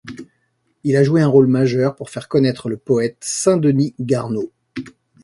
Il a joué un rôle majeur pour faire connaître le poète Saint-Denys Garneau.